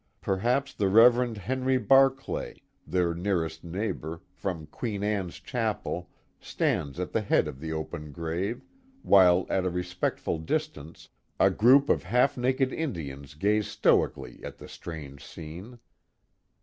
Perhaps the Rev. Henry Barclay, their nearest neigh bor, from Queen Anne's Chapel, stands at the head of the open grave, while at a respectful distance, a group of half naked Indians gaze stoically at the strange scene.